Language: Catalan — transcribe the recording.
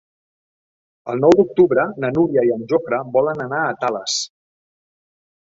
El nou d'octubre na Núria i en Jofre volen anar a Tales.